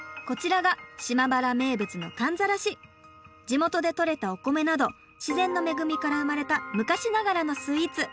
地元でとれたお米など自然の恵みから生まれた昔ながらのスイーツ。